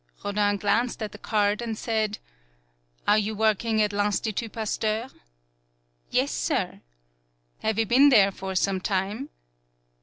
Rodin glanced at the card, and said : "Are you working at L'lnstitut Pas teur?" "Yes, sir." "Have you been there for some time?"